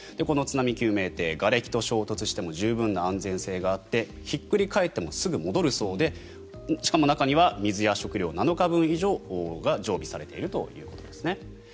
この津波救命艇がれきと衝突しても十分な安全性があってひっくり返ってもすぐ戻るそうでしかも中には水や食料７日分以上が常備されているということですね。